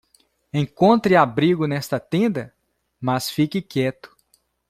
Encontre abrigo nesta tenda?, mas fique quieto.